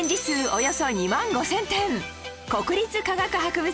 およそ２万５０００点国立科学博物館や